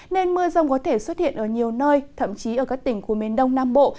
nên mưa rông có thể xuất hiện ở nhiều nơi thậm chí ở các tỉnh của miền đông nam bộ